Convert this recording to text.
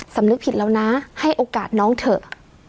สำนึกผิดแล้วนะให้โอกาสน้องเถอะ